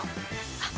あっ！